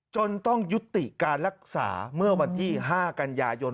จนต้องยุติการรักษาเมื่อวันที่๕กันยายน